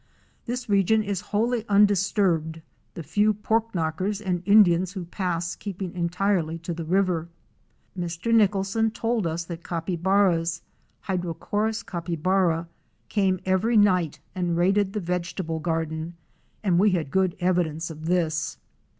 This region is wholly undisturbed, the few " pork knockers' and Indians who pass keeping entirely to the river. Mr. Nicholson told us that Capybaras (Hydrochoerus capybara) ' Fic. 107, CUYUNI RIVER. came every night and raided the vegetable garden, and we had good evidence of this.